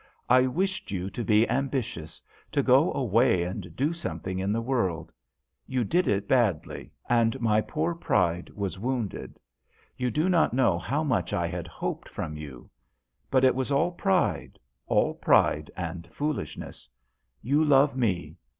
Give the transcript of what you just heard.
I wished you to be ambitious to go away and do something in the world. You did badly, and my poor pride was wounded. You do not know how much I had hoped from you ; but it was all pride all pride and foolishness. You love me.